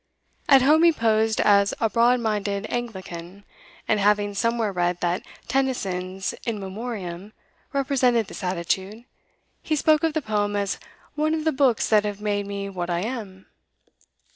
At home he posed as a broad minded Anglican, and having somewhere read that Tennyson's 'In Memoriam' represented this attitude, he spoke of the poem as 'one of the books that have made me what I am.